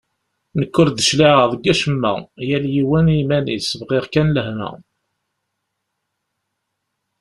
Nekk ur d-cliɛeɣ deg wacemma, yal yiwen i yiman-is, bɣiɣ kan lehna.